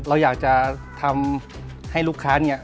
เราอยากจะทำให้ลูกค้าเนี่ย